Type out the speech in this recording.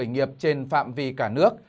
doanh nghiệp khởi nghiệp trên phạm vi cả nước